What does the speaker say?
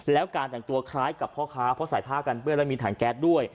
แล้วการแต่งตัวคล้ายกับพ่อค้าเพราะใส่ผ้ากันเปื้อนแล้วมีถังแก๊สด้วย